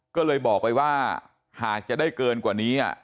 ก็เลยบอกไปว่าหากจะได้เกินกว่านี้